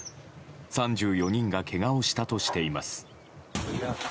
３４人がけがをしたとしています。